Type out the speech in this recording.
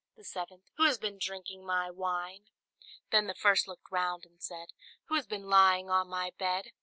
The seventh, "Who has been drinking my wine?" Then the first looked round and said. "Who has been lying on my bed?"